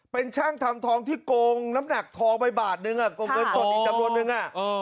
เป็นช่างทำทองที่โกงน้ำหนักทองไปบาทนึงโกงเงินสดอีกจำนวนนึง